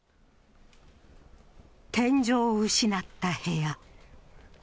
天井を失った部屋。